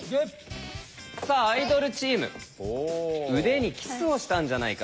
さあアイドルチーム「腕にキスをしたんじゃないか」。